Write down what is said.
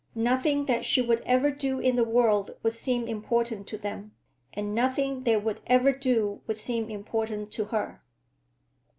Nothing that she would ever do in the world would seem important to them, and nothing they would ever do would seem important to her.